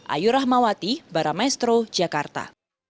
ayu rahmawati baramestro jakarta